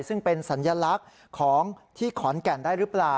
ซึ่งเป็นสัญลักษณ์ของที่ขอนแก่นได้หรือเปล่า